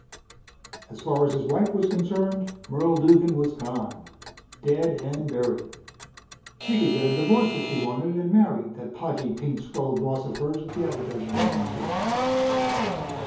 As far as his wife was concerned Merle Duggan was gone. Dead and buried. She could get a divorce if she wanted and marry that podgy, pink skulled boss of hers at the advertising agency....